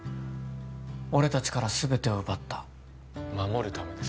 俺達から全てを奪った守るためです